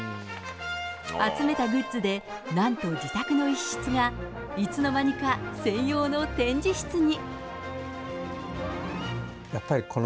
集めたグッズでなんと自宅の一室がいつの間にか専用の展示室に。